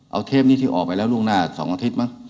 เอาเทปนี้ที่ออกไปแล้วล่วงหน้า๒อาทิตย์มั้ง